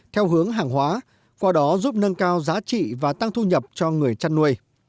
theo hướng hàng hóa qua đó giúp nâng cao giá trị và tăng thu nhập cho người chăn nuôi